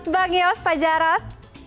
bagus pak jarod